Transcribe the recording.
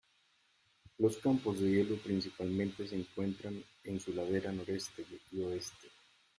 Los campos de hielo principalmente se encuentran en su ladera noreste y oeste.